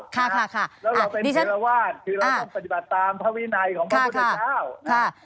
ค่ะแล้วเราเป็นศิลวาสคือเราต้องปฏิบัติตามพระวินัยของพระพุทธเจ้านะฮะ